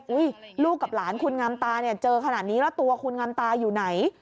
ลูกกับหลานคุณงามตาเนี่ยเจอขนาดนี้แล้วตัวคุณงามตาอยู่ไหน